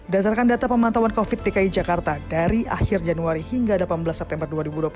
dasarkan data pemantauan covid dki jakarta dari akhir januari hingga delapan belas september dua ribu dua puluh satu